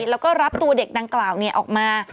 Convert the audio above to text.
แล้วก็รับตัวเด็กดังกล่าวออกมา